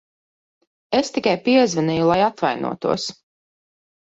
Es tikai piezvanīju, lai atvainotos.